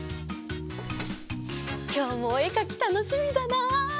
きょうもおえかきたのしみだな！